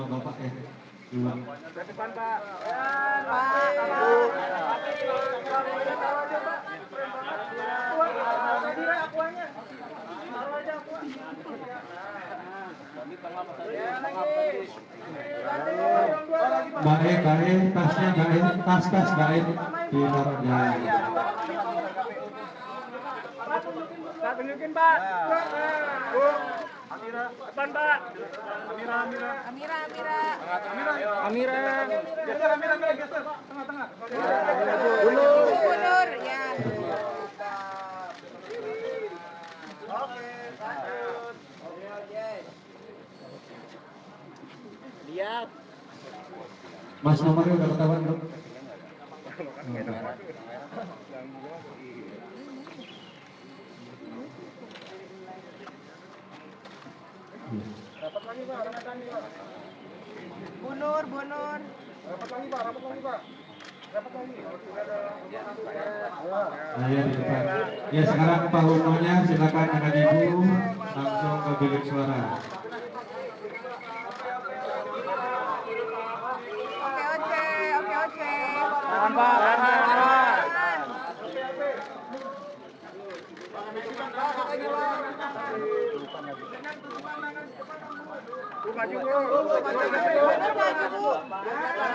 hai pak kiri kiri pak kiri kiri pak kiri kiri pak kiri kiri pak